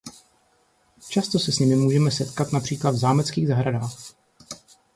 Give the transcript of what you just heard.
Často se s nimi můžeme setkat například v zámeckých zahradách.